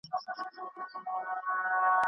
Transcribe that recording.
پلاوی د جرګې استازیتوب چیرته کوي؟